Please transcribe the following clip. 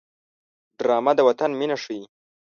ډرامه د وطن مینه ښيي